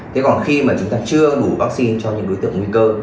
thế còn khi mà chúng ta chưa đủ vaccine cho những đối tượng nguy cơ